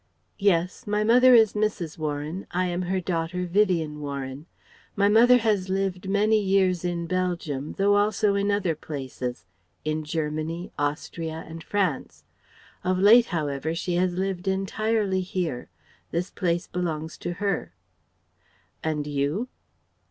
"Yes. My mother is Mrs. Warren, I am her daughter, Vivien Warren. My mother has lived many years in Belgium, though also in other places, in Germany, Austria and France. Of late, however, she has lived entirely here. This place belongs to her." "And you?"